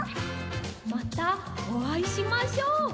またおあいしましょう！